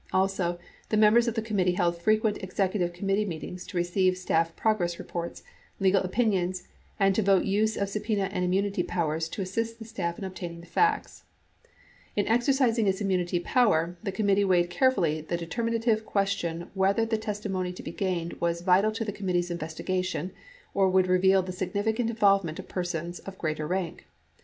Also, the members of the committee held frequent execu tive committee meetings to receive staff progress reports, legal opin ions and to vote use of subpena and immunity powers to assist the 7 2 Hearings 539. XXIX staff in obtaining the facts. In exercising its immunity power, the committee weighed carefully the determinative question whether the testimony to be gained was vital to the committee's investigation or would reveal the significant involvement of persons of greater rank.